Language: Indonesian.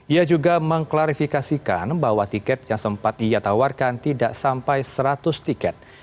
ia juga mengklarifikasikan bahwa tiket yang sempat ia tawarkan tidak sampai seratus tiket